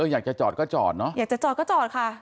อยากจะจอดก็จอดเนอะอยากจะจอดก็จอดค่ะ